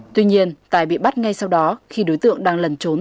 tuy nhiên tài bị bắt ngay sau đó khi đối tượng đang lẩn trốn